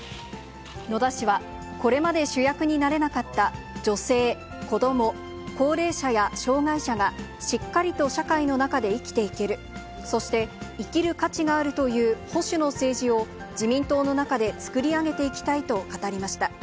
野田氏は、これまで主役になれなかった女性、子ども、高齢者や障がい者がしっかりと社会の中で生きていける、そして、生きる価値があるという保守の政治を自民党の中で作り上げていきたいと語りました。